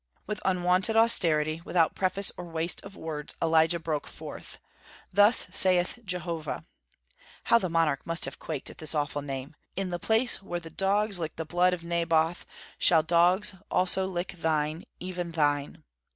With unwonted austerity, without preface or waste of words, Elijah broke forth: "Thus saith Jehovah!" how the monarch must have quaked at this awful name: "In the place where dogs licked the blood of Naboth, shall dogs also lick thine, even thine."